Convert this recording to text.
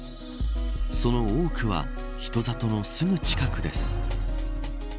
その多くは人里のすぐ近くです。